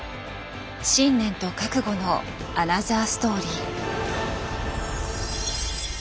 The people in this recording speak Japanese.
信念と覚悟のアナザーストーリー。